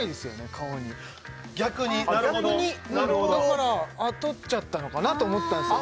顔に逆になるほどだから取っちゃったのかなと思ったんすよ